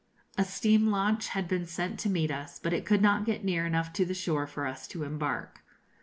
A steam launch had been sent to meet us, but it could not get near enough to the shore for us to embark.